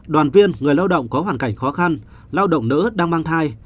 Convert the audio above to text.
đoàn viên người lao động có hoàn cảnh khó khăn lao động nữ đang mang thai